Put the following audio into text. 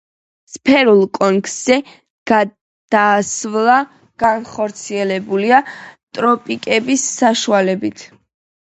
სფერულ კონქზე გადასვლა განხორციელებულია ტრომპების საშუალებით.